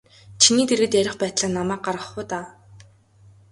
Чиний дэргэд ярих байтлаа намайг гаргах уу даа.